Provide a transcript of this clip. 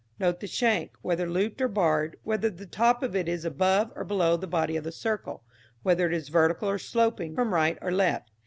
Note the shank, whether looped or barred, whether the top of it is above or below the body of the circle, whether it is vertical or sloping from right or left.